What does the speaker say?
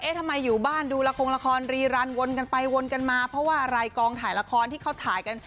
ทำไมอยู่บ้านดูละครละครรีรันวนกันไปวนกันมาเพราะว่าอะไรกองถ่ายละครที่เขาถ่ายกัน